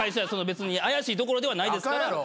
別に怪しい所ではないですから。